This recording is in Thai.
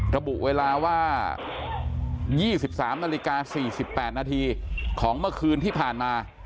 ระบุเวลาว่า๒๓นาฬิกา๔๘นาทีของเมื่อคืนที่ผ่านมา